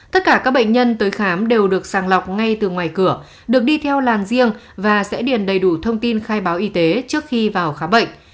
tất cả các bệnh nhân tới khám đều được sàng lọc ngay từ ngoài cửa được đi theo làn riêng và sẽ điền đầy đủ thông tin khai báo y tế trước khi vào khám bệnh